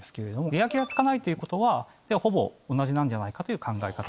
見分けがつかないということはほぼ同じなんじゃないかという考え方。